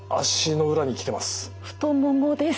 太ももです。